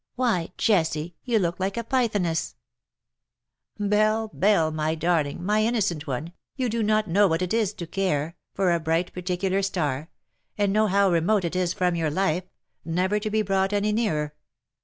" Why, Jessie, you look like a Pythoness/' ^* Belle, Belle, my darling, my innocent one, you do not know what it is to care — for a bright particular star — and know how remote it is from your life — never to be brought any nearer